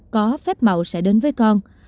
có phép màu sẽ đến với con